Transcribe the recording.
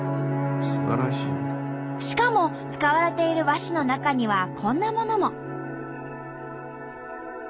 しかも使われている和紙の中にはこんなものも。